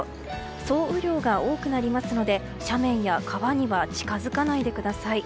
総雨量が多くなりますので斜面や川には近づかないでください。